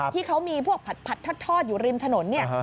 ที่เขามีพวกผัดทอดอยู่ริมถนนเนี่ย